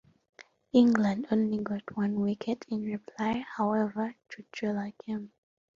England only got one wicket in reply, however, to draw the game.